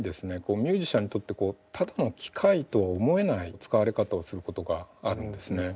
ミュージシャンにとってただの機械とは思えない使われ方をすることがあるんですね。